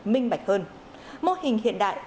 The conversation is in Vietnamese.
minh bạch hơn mô hình hiện đại